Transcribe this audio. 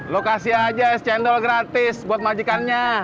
lo kasih aja es cendol gratis buat majikannya